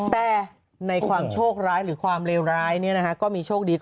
แต่ในความโชคร้ายหรือความเลวร้ายก็มีโชคดี